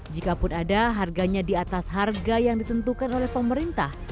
jikapun ada harganya di atas harga yang ditentukan oleh pemerintah